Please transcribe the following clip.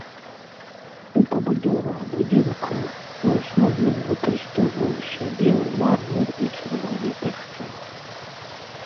У пабудовах будынкаў у асноўным выкарыстоўваўся белы мармур і чырвоны пясчанік.